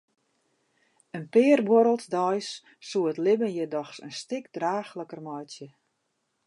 In pear buorrels deis soe it libben hjir dochs in stik draachliker meitsje.